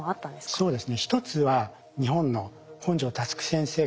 そうですね。